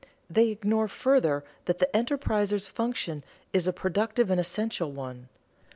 They ignore further that the enterpriser's function is a productive and essential one.